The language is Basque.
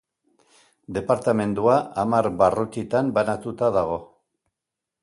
Departamendua hamar barrutitan banatuta dago.